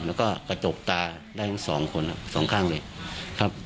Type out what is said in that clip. แล้วก็กระจกตาได้๒คนครับ๒ข้างเลยครับ